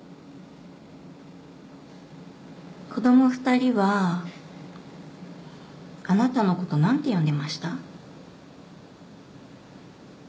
子供２人はあなたのこと何て呼んでました？